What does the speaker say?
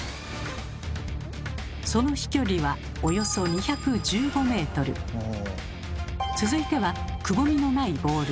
その飛距離は続いてはくぼみのないボール。